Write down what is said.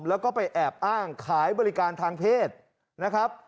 แล้วก็ไปแอบอ้างขายบริการทางเพศนะครับ